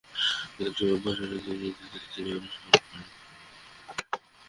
প্রতিটি অভ্যাস ও রীতি-নীতিতে তিনি তার অনুসরণ করেন।